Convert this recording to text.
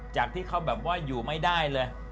จากที่เขาอยู่ไม่ได้เลย